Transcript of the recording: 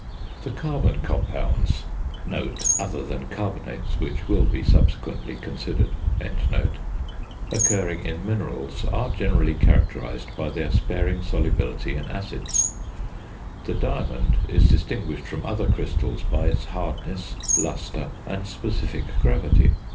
The carbon compounds (other than carbonates, which will be subsequently considered) occurring in minerals are generally characterised by their sparing solubility in acids. The diamond is distinguished from other crystals by its hardness, lustre, and specific gravity.